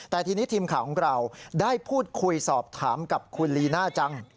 แต่ทีนี้ทีมข่าวของเราได้พูดคุยสอบถามกับคุณลีน่าจัง